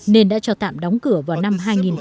nên đã cho tạm đóng cửa vào năm hai nghìn một mươi